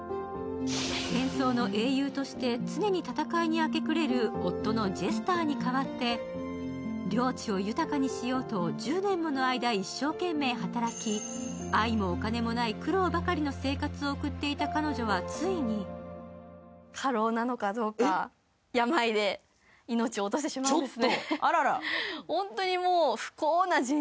戦争の英雄として常に戦いに明け暮れる夫のジェスターに代わって領地を豊かにしようと１０年もの間一生懸命働き、愛もお金もない苦労ばかりの生活を送っていた彼女はついに過労なのかどうか、病で命を落としてしまうんですね。